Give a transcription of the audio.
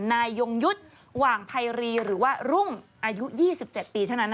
ยงยุทธ์หว่างไพรีหรือว่ารุ่งอายุ๒๗ปีเท่านั้น